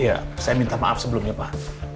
iya saya minta maaf sebelumnya pak